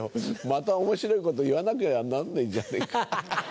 また面白いこと言わなきゃなんねえじゃねぇか。